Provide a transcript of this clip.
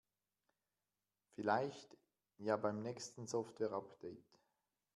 Vielleicht ja beim nächsten Softwareupdate.